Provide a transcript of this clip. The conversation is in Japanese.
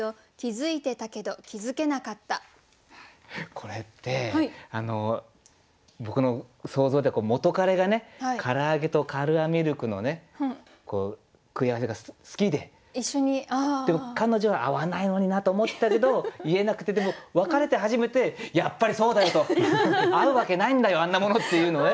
これって僕の想像では元彼がね唐揚げとカルアミルクのね組み合わせが好きで彼女は合わないのになと思ってたけど言えなくてでも別れて初めてやっぱりそうだよと合うわけないんだよあんなもの！っていうのをね